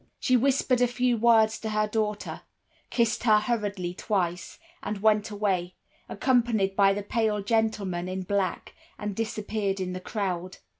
"She whispered a few words to her daughter, kissed her hurriedly twice, and went away, accompanied by the pale gentleman in black, and disappeared in the crowd.